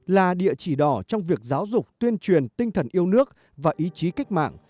là địa chỉ đỏ trong việc giáo dục tuyên truyền tinh thần yêu nước và ý chí cách mạng